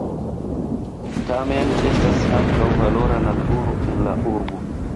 Tamen estas ankaŭ valora naturo en la urbo.